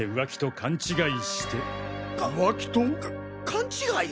勘違い！？